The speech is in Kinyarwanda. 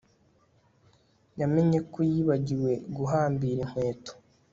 yamenye ko yibagiwe guhambira inkweto